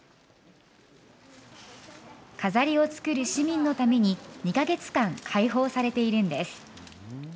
飾りを作る市民のために２か月間、開放されているんです。